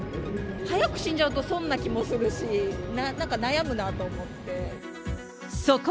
早く死んじゃうと損な気もするし、なんか悩むなと思って。